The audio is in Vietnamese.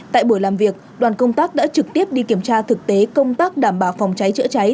tại buổi làm việc đoàn công tác đã trực tiếp đi kiểm tra thực tế công tác đảm bảo phòng cháy chữa cháy